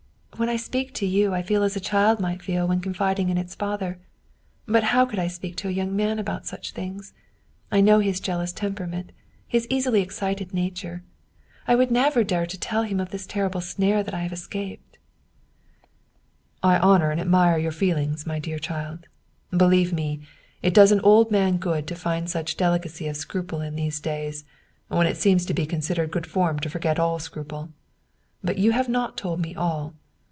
When I speak to you I feel as a child might feel when con fiding in its father. But how could I speak to a young man about such things? I know his jealous temperament, his easily excited nature. I would never dare to tell him of this terrible snare that I have escaped." " I honor and admire your feelings, my dear child. Be lieve me, it does an old man good to find such delicacy of scruple in these days, when it seems to be considered good form to forget all scruple. But you have not told me all.